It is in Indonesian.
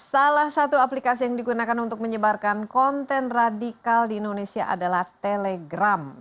salah satu aplikasi yang digunakan untuk menyebarkan konten radikal di indonesia adalah telegram